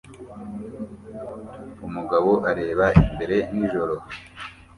Umugabo areba imbere nijoro